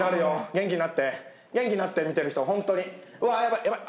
元気になって元気になって見てる人ホントにわやばいやばい